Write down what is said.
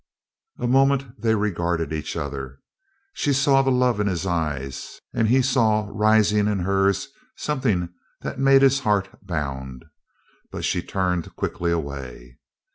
A moment they regarded each other. She saw the love in his eyes, and he saw rising in hers something that made his heart bound. But she turned quickly away.